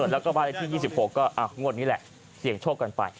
แล้วก็บ้านเลขที่๒๖ก็งวดนี้แหละเสี่ยงโชคกันไป